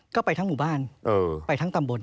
ก็ไปทั้งหมู่บ้านไปทั้งตำบล